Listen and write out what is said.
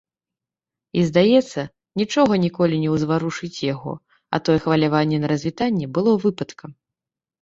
І, здаецца, нічога ніколі не ўзварушыць яго, а тое хваляванне на развітанні было выпадкам.